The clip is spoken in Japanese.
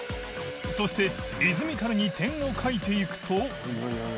磴修靴リズミカルに点を描いていくと森川）